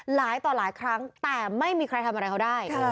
หลายต่อหลายครั้งแต่ไม่มีใครทำอะไรเขาได้